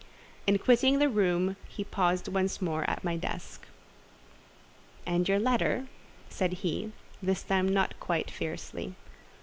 In quitting the room he paused once more at my desk. "And your letter?" said he, this time not quite fiercely.